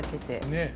ねえ。